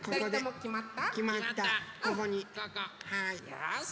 よし！